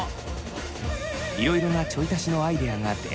いろいろなちょい足しのアイデアが出ました。